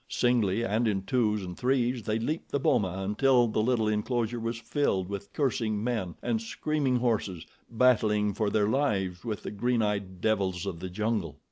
Singly and in twos and threes they leaped the boma, until the little enclosure was filled with cursing men and screaming horses battling for their lives with the green eyed devils of the jungle.